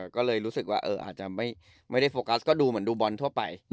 ก็เลยรู้สึกว่าอาจจะไม่ได้โฟกัสก็ดูเหมือนดูบอลทั่วไป